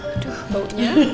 aduh bau nya